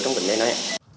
trong vấn đề này